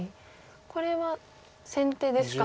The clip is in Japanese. これは先手ですか。